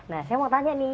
nah saya mau tanya nih